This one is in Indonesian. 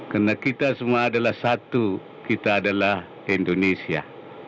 karena kita semua adalah satu kita adalah indonesia